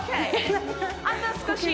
あと少し。